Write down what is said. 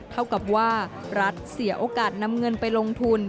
เท่ากับว่ารัฐเสียโอกาสนำเงินไปลงทุน